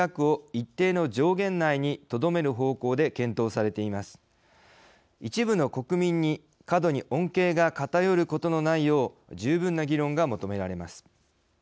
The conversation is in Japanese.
一部の国民に過度に恩恵が偏ることのないよう十分な議論が求められます。